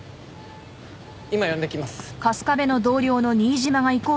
今呼んできます。